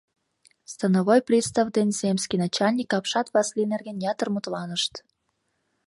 Становой пристав ден земский начальник апшат Васлий нерген ятыр мутланышт.